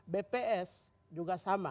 bps juga sama